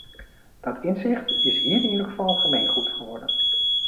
Dat inzicht is hier in ieder geval gemeengoed geworden.